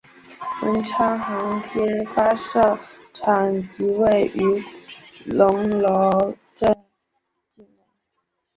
文昌航天发射场即位于龙楼镇境内。